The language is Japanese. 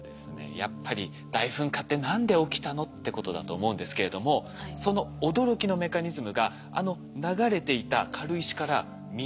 やっぱり「大噴火って何で起きたの？」ってことだと思うんですけれどもその驚きのメカニズムがあの流れていた軽石から見えてきたんです。